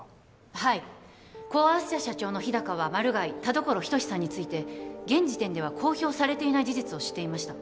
はいコ・アース社社長の日高はマル害田所仁志さんについて現時点では公表されていない事実を知っていました